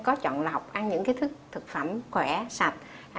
ăn có chọn lọc ăn những thức phẩm khỏe sạch